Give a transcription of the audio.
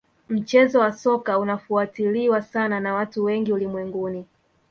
mchezo wa soka unafuatiliwa sana na watu wengi ulimwenguni